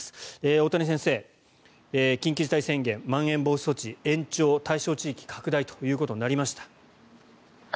大谷先生、緊急事態宣言まん延防止措置延長、対象地域拡大となりました。